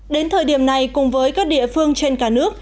đến thời điểm này cùng với các địa phương trên cả nước